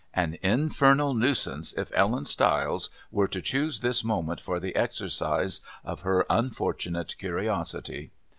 An infernal nuisance if Ellen Stiles were to choose this moment for the exercise of her unfortunate curiosity!